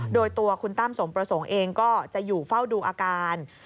โดยตัวคุณตั้มสมประสงค์เองก็จะอยู่เฝ้าดูอาการ